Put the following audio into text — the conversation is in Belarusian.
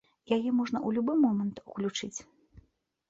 Яе можна ў любы момант уключыць.